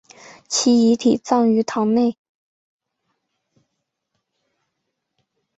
其遗体葬于堂内。